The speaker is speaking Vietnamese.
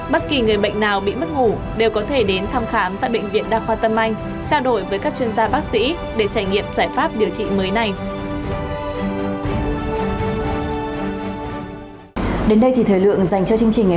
bất kỳ người bệnh nào bị mất ngủ đều có thể đến thăm khám tại bệnh viện đa khoa tâm anh trao đổi với các chuyên gia bác sĩ để trải nghiệm giải pháp điều trị mới này